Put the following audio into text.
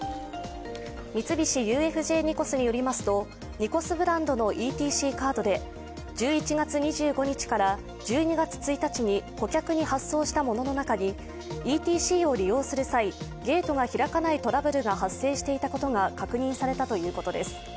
三菱ＵＦＪニコスによりますと、ニコスブランドのＥＴＣカードで１１月２５日から１２月１日に顧客に発送したものの中にＥＴＣを利用する際、ゲートが開かないトラブルが発生していたことが確認されたということです。